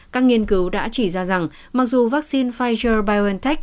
các nghiên cứu đã chỉ ra rằng mặc dù vaccine pfizer biontech